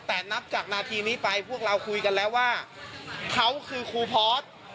แต่นับจากนาทีนี้ไปพวกเราคุยกันแล้วว่าเขาคือครูพอร์ต